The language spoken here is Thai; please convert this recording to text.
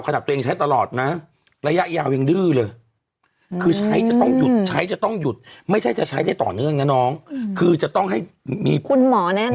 ตัวเองใช้ตลอดนะระยะยาวยังดื้อเลยคือใช้จะต้องหยุดใช้จะต้องหยุดไม่ใช่จะใช้ได้ต่อเนื่องนะน้องคือจะต้องให้มีคุณหมอแน่นอ